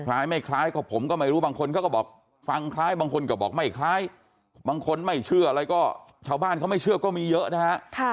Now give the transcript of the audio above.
คล้ายไม่คล้ายก็ผมก็ไม่รู้บางคนเขาก็บอกฟังคล้ายบางคนก็บอกไม่คล้ายบางคนไม่เชื่ออะไรก็ชาวบ้านเขาไม่เชื่อก็มีเยอะนะฮะ